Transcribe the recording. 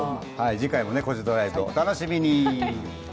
次回も「コジドライブ」お楽しみに。